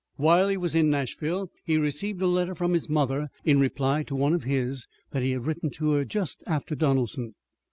While he was in Nashville he received a letter from his mother in reply to one of his that he had written to her just after Donelson.